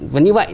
vẫn như vậy